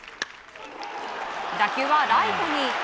打球はライトに。